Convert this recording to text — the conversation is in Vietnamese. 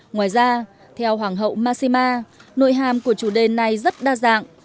ngoài ra theo hoàng hậu mashima nội hàm của chủ đề này rất đa dạng